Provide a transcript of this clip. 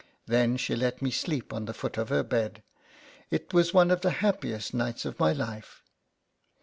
Then she let me sleep on the foot of her bed: it was one of the hap piest nights of my life.